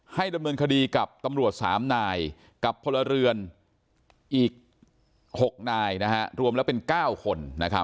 ให้ดำเนินคดีกับตำรวจสามนายกับพลเรือนอีกหกนายนะฮะรวมแล้วเป็นเก้าคนนะครับ